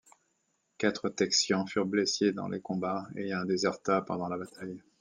Quatre Texians furent blessés dans les combats, et un déserta pendant la bataille.